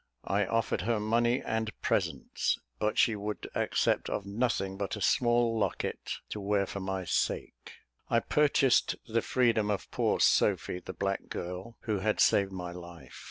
I offered her money and presents, but she would accept of nothing but a small locket, to wear for my sake. I purchased the freedom of poor Sophy, the black girl, who had saved my life.